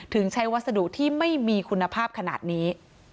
ถึงใช้วัสดุที่ไม่มีคุณภาพขนาดนี้